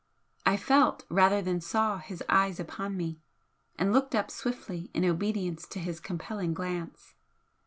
I felt rather than saw his eyes upon me, and looked up swiftly in obedience to his compelling glance.